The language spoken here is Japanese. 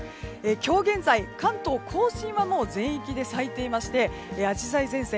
今日現在、関東・甲信はもう全域で咲いていましてアジサイ前線